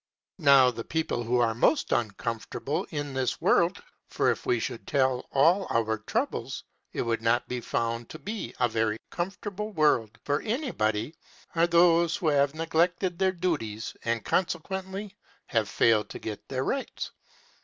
Now, the people who are most uncomfortable in this world (for if we should tell all our troubles it would not be found to be a very comfortable world for anybody) are those who have neglected their duties, and consequently have failed to get their rights.